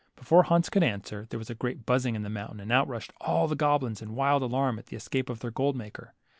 Before Hans could answer, there was a great buzzing in the moun tain, and out rushed all the goblins in wild alarm at the escape of their gold maker.